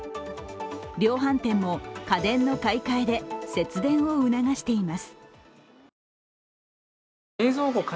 量販店も家電の買いかえで節電を促しています。